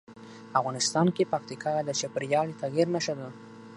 افغانستان کې پکتیکا د چاپېریال د تغیر نښه ده.